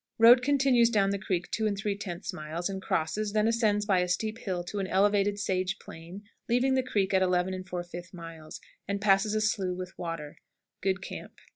Road continues down the creek 2 3/10 miles, and crosses, then ascends by a steep hill to an elevated sage plain, leaving the creek at 11 4/5 miles, and passes a slough with water. Good camp.